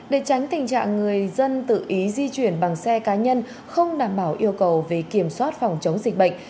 để tránh tình trạng người dân tự ý di chuyển bằng xe cá nhân không đảm bảo yêu cầu về kiểm soát phòng chống dịch bệnh